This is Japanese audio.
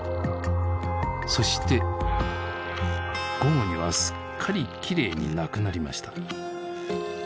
そして午後にはすっかりきれいになくなりました。